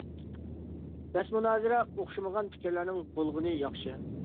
بەس مۇنازىرە، ئوخشىمىغان پىكىرلەرنىڭ بولغىنى ياخشى.